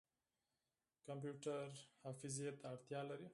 کمپیوټر ښې حافظې ته اړتیا لري.